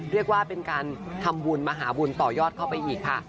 เรียกว่าเป็นการทำบุญมหาบุญต่อยอดเข้าไปอีกค่ะ